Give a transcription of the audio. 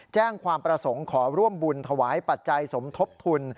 แจ้งความประสงค์ขอร่วมบุญถวายปัจจัยสมทบทุน